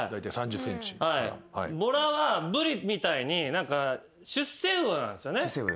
ボラはブリみたいに出世魚なんすよね。